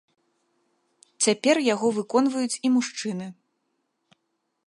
Цяпер яго выконваюць і мужчыны.